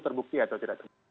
terbukti atau tidak